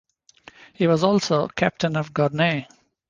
He was also Captain of Gournay.